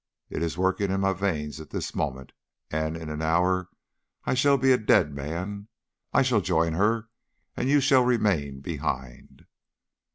It is working in my veins at this moment, and in an hour I shall be a dead man. I shall join her, and you shall remain behind.